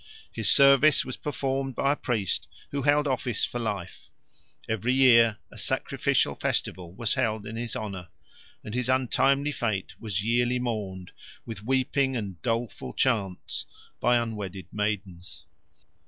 His service was performed by a priest who held office for life; every year a sacrificial festival was held in his honour; and his untimely fate was yearly mourned, with weeping and doleful chants, by unwedded maids.